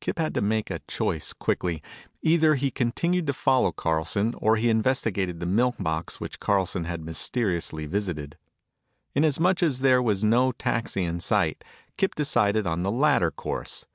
Kip had to make a choice quickly. Either he continued to follow Carlson or he investigated the milk box which Carlson had mysteriously visited. In as much as there was no taxi in sight, Kip decided on the latter course.